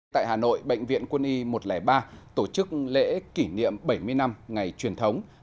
tại hà nội bệnh viện quân y một trăm linh ba tổ chức lễ kỷ niệm bảy mươi năm ngày truyền thống